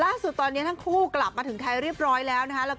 ล่าสุดตอนนี้ทั้งคู่กลับมาถึงไทยเรียบร้อยแล้วนะคะ